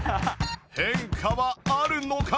変化はあるのか？